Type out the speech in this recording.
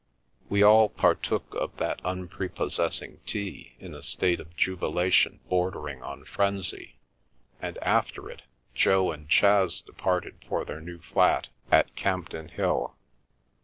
We all partook of that unprepossessing tea in a state of jubilation bordering on frenzy and after it, Jo and Chas departed for their new flat at Campden Hill.